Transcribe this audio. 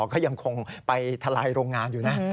ก็ยังคงไปทลายโรงงานอยู่นะ